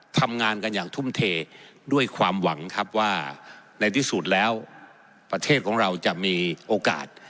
ทำงานกันอย่างทุ่มเทด้วยความหวังครับว่าในที่สุดแล้วประเทศของเราจะมีโอกาส